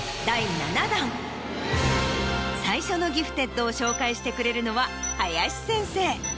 最初のギフテッドを紹介してくれるのは林先生。